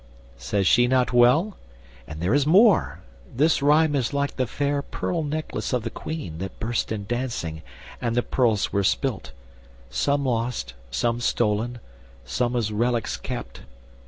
"Says she not well? and there is more—this rhyme Is like the fair pearl necklace of the Queen, That burst in dancing, and the pearls were spilt; Some lost, some stolen, some as relics kept.